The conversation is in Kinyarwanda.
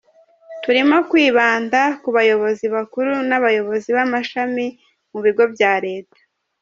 Turimo kwibanda ku bayobozi bakuru n’abayobozi b’amashami mu bigo bya leta.